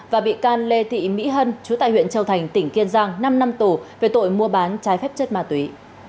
và bị can lê thị mỹ hân chú tại huyện châu thành tỉnh kiên giang năm năm tù về tội mua bán trái phép chất ma túy